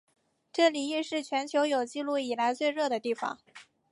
这里亦是全球有纪录以来最热的地方。